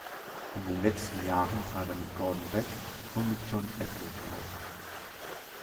In den letzten Jahren trat er mit Gordon Beck und mit John Etheridge auf.